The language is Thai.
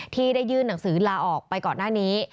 ที่ได้ยื่นหนังสือลาออกไปก่อนหน้านี้